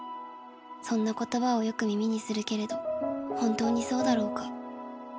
そんな言葉をよく耳にするけれど本当にそうだろうか？